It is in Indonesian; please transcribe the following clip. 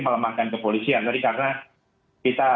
melemahkan kepolisian tapi karena kita